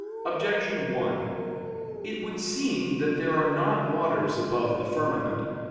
Objection 1: It would seem that there are not waters above the firmament.